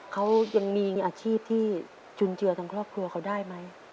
เขายังมีอาชีพที่จุนเจือทั้งครอบครัวเขาได้ไหม